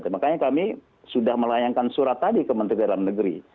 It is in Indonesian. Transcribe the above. makanya kami sudah melayangkan surat tadi ke menteri dalam negeri